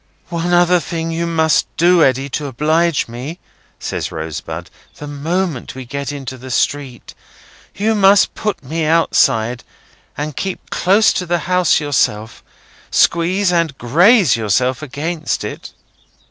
"One other thing you must do, Eddy, to oblige me," says Rosebud. "The moment we get into the street, you must put me outside, and keep close to the house yourself—squeeze and graze yourself against it."